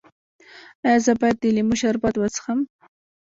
ایا زه باید د لیمو شربت وڅښم؟